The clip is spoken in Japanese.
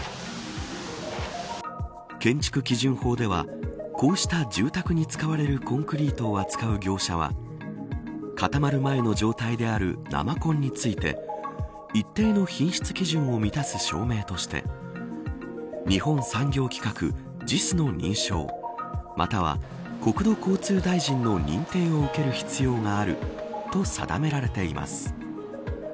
建築基準法ではこうした住宅に使われるコンクリートを扱う業者は固まる前の状態である生コンについて一定の品質基準を満たす証明として日本産業規格ＪＩＳの認証または国土交通大臣の認定を受ける必要があると定められています。